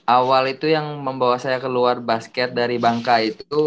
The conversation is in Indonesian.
awal itu yang membawa saya keluar basket dari bangka itu